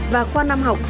và khoa nam học